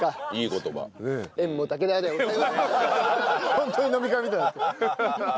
ホントに飲み会みたいになってる。